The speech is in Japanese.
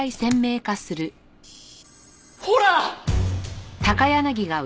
ほら！